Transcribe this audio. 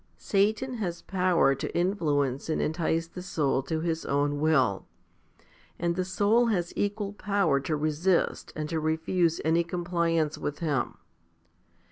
Satan has power to influence and entice the soul to his own will, and the soul has equal power to resist and to refuse any compliance with him.